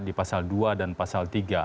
di pasal dua dan pasal tiga